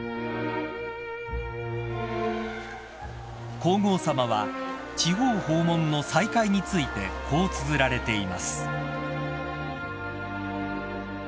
［皇后さまは地方訪問の再開についてこうつづられています］